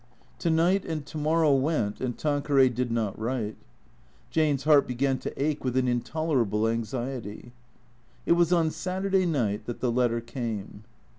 To night and to morrow went, and Tanqueray did not write. Jane's heart began to ache with an intolerable anxiety. It was on Saturday night that the letter came.